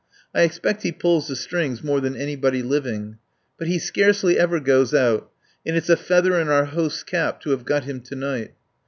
I expect he pulls the strings more than anybody living. But he scarcely ever goes out, and it's a feather in our host's cap to have got him to night.